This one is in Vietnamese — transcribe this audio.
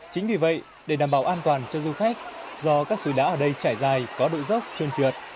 chính vì vậy để đảm bảo an toàn cho du khách do các suối đá ở đây trải dài có độ dốc trơn trượt